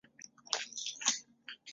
光绪六年调补打箭炉厅同知。